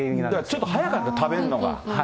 ちょっと早かった、食べるのが。